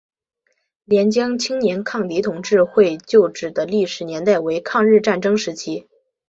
廉江青年抗敌同志会旧址的历史年代为抗日战争时期。